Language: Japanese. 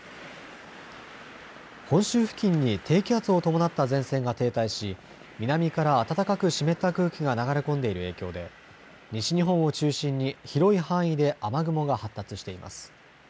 本州付近に低気圧を伴った前線が停滞し南から暖かく湿った空気が流れ込んでいる影響で西日本を中心に広い範囲で雨雲が発達しています。